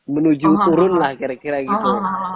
menuju turun lah kira kira gitu